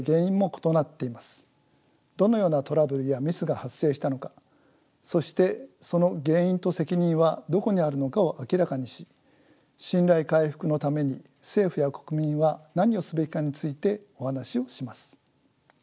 どのようなトラブルやミスが発生したのかそしてその原因と責任はどこにあるのかを明らかにし信頼回復のために政府や国民は何をすべきかについてお話をします。